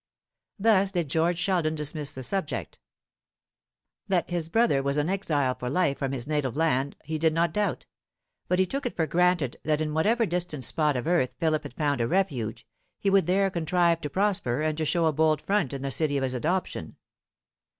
Thus did George Sheldon dismiss the subject. That his brother was an exile for life from his native land he did not doubt; but he took it for granted that in whatever distant spot of earth Philip had found a refuge, he would there contrive to prosper and to show a bold front in the city of his adoption.